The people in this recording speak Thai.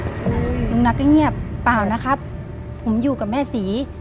ลุงนัทก็เงียบเปล่านะครับผมอยู่กับแม่ศรี